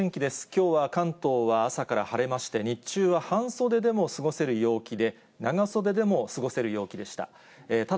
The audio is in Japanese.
きょうは関東は朝から晴れまして、日中は半袖でも過ごせる陽気で、長袖でも過ごせる陽気でした。